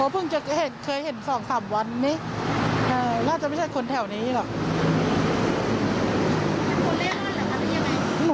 เป็นคนเรศร่อนหรือเรนนี่หรือไม่